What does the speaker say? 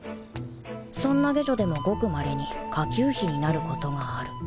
そんな下女でもごくまれに下級妃になることがある